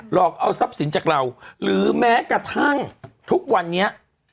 อกเอาทรัพย์สินจากเราหรือแม้กระทั่งทุกวันนี้